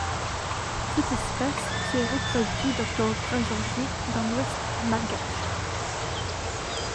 Cette espèce se reproduit d'octobre à janvier dans l'ouest malgache.